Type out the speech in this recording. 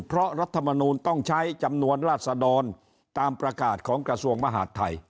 เพราะรัฐมนูลต้องใช้จำนวนราศดรตามประกาศของกระทรวงมหาดไทย